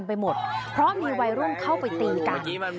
ไปหมดเพราะมีวัยรุ่นเข้าไปตีกัน